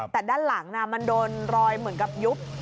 แต่ด้านหลังมันโดนรอยเหมือนกับยุบ